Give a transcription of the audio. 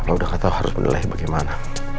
kalau udah gak tahu harus menilai bagaimana